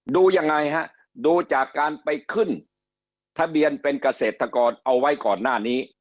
โดยง่ายดูจากการไปขึ้นทะเบียนเป็นกระเศษทกรเอาไว้ก่อนหน้านี้